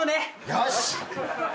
よし。